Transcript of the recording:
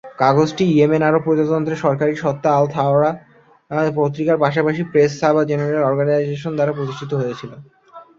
কাগজটি ইয়েমেন আরব প্রজাতন্ত্রের সরকারী সত্তা "আল-থাওরা" পত্রিকার পাশাপাশি প্রেস সাবা জেনারেল অর্গানাইজেশন দ্বারা প্রতিষ্ঠিত হয়েছিল।